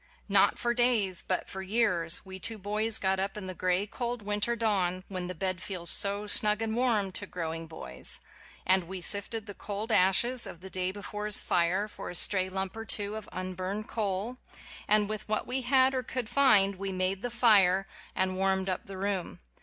Not for days, but for years, we two boys got up in the gray cold win ter dawn when the bed feels so snug and warm to growing boys, and we sifted the cold ashes of the day bef ore's fire for a stray lump or two of unburned WHY I BELIEVE IN POVERTY coal, and with what we had or could find we made the fire and warmed up the room.